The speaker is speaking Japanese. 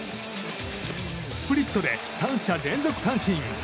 スプリットで３者連続三振。